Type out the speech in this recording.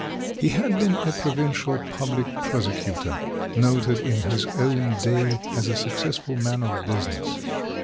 He had been a provincial public prosecutor, noted in his own day as a successful man of business.